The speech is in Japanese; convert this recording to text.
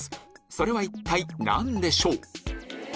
それは一体何でしょう？